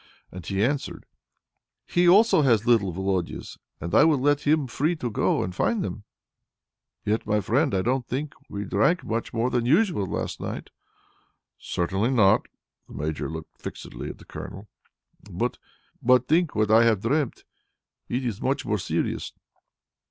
And he answered, 'He also has little Volodia's, and I will let him free to go and find them.' Yet, my friend, I don't think we drank more than usual last night." "Certainly not." The Major looked fixedly at the Colonel. "But think what I have dreamt; it is much more serious."